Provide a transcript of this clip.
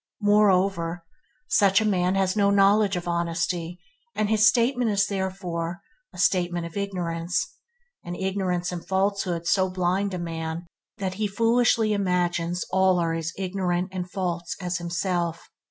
Moreover, such a man has no knowledge of honesty, and his statement is therefore, a statement of ignorance, and ignorance and falsehood so blind a man that he foolishly imagines all are as ignorant and false as himself.